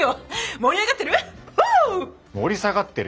盛り上がってる？